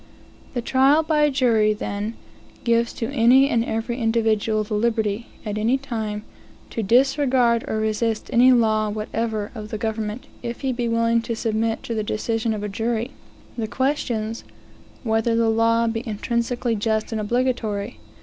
The trial by jury, then, gives to any and every individual the liberty, at any time, to disregard or resist any law whatever of the government, if he be willing to submit to the decision of a jury, the questions, whether the law be intrinsically just and obligatory?